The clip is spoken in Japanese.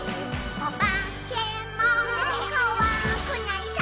「おばけもこわくないさ」